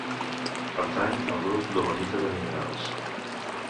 Pertany al grup dolomita de minerals.